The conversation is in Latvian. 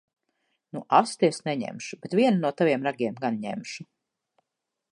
Nu asti es neņemšu. Bet vienu no taviem ragiem gan ņemšu.